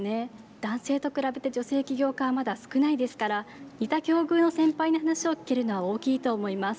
男性と比べて女性起業家はまだ少ないですから似た境遇の先輩に話を聞けるのは大きいと思います。